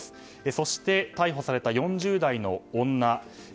そして、逮捕された４０代の女。